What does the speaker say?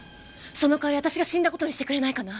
その代わり私が死んだ事にしてくれないかな。